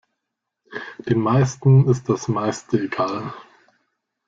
Den meisten ist das meiste egal.